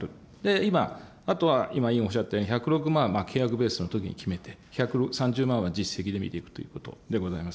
今、あとは今おっしゃったように、１０６万、規約ベースのときに決めて、１３０万は実績で見ていくということでございます。